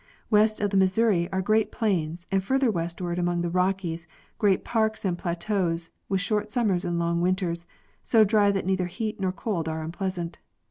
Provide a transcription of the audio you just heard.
West of the Mis souri are great plains, and further westward among the Rockies great parks and plateaus, with short summers and long winters, so dry that neither heat nor cold are unpleasant.